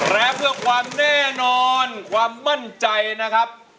และเพื่อความแน่นอนความมั่นใจนะครับ